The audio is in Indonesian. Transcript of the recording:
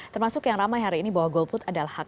termasuk yang ramai hari ini bahwa golput adalah hak